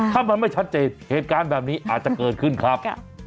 ถ้ามันไม่ชัดเจนเหตุการณ์แบบนี้อาจจะเกิดขึ้นครับ